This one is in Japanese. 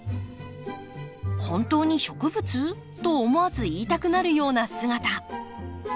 「本当に植物？」と思わず言いたくなるような姿。